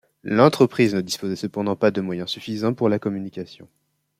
L'entreprise ne disposait cependant pas de moyens suffisants pour la communication.